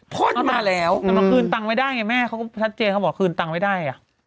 พ่นมาแล้วแต่มาคืนตังค์ไม่ได้ไงแม่เขาก็ชัดเจนเขาบอกคืนตังค์ไม่ได้